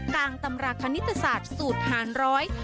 ตำราคณิตศาสตร์สูตรหารร้อย